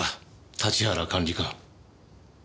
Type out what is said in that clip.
立原管理官。